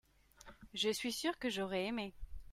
je suis sûr que j'aurais aimé.